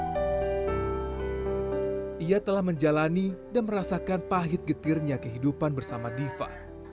dia telah menjalani dan merasakan pahit getirnya kehidupan bersama diva